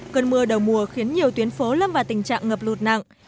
cơn mưa đầu mùa khiến nhiều tuyến phố lâm vào tình trạng ngập lụt nặng